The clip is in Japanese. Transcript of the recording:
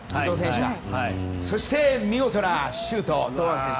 そして、見事なシュート堂安選手。